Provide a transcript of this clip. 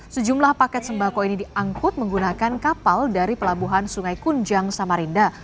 sejumlah paket sembako ini diangkut menggunakan kapal dari pelabuhan sungai kunjang samarinda